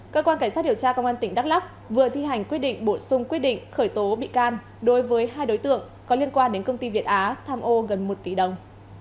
cơ quan cảnh sát điều tra công an tỉnh đắk lắc vừa thi hành quyết định bổ sung quyết định khởi tố bị can đối với hai đối tượng có liên quan đến công ty việt á tham ô gần một tỷ đồng